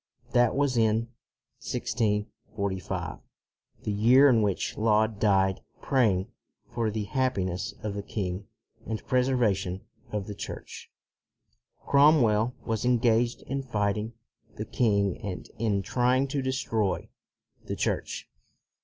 1 That was in 1645, the year in which Laud died praying for the happiness of the king and the preser vation of the Church. Cromwell was en gaged in fighting the king and in trying to destroy the Church.